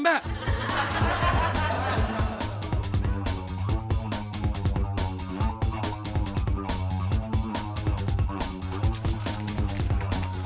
bapak kau mau ikut